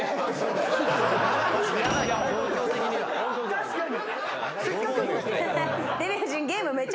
確かに。